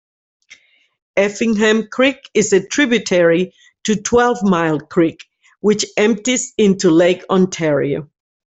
Effingham Creek is a tributary to Twelve-Mile Creek, which empties into Lake Ontario.